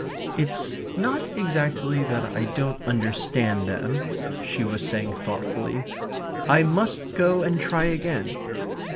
"It's not exactly that I don't understand them," she was saying thoughtfully. "I must go and try again."